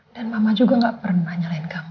dan mama juga gak pernah nyalahin kamu